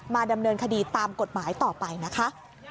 ดำเนินคดีตามกฎหมายต่อไปนะคะ